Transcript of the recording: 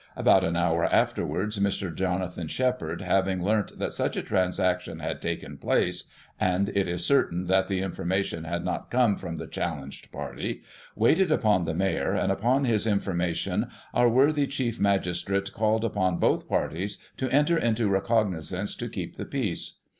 About an hour afterwards, Mr. Jonathan Sheppard having learnt that such a transaction had taken place — and it is certain that the information had not come from the challenged party — ^waited upon the Mayor, and, upon his information, our worthy Chief Magistrate called upon both parties to enter into recognizances to keep the peace.